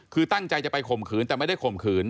คือตั้งใจจะไปข่มขืนแต่ไม่ได้ข่มขืน